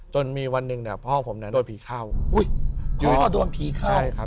จนมีวันหนึ่งพ่อผมโดดผีเข้าอยู่ด้วยพ่อโดดผีเข้า